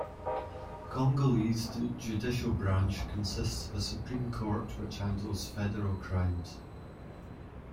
The Congolese Judicial Branch Consists of a Supreme Court, which handles federal crimes.